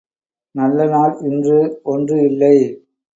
நல்ல நாள் என்று ஒன்று இல்லை!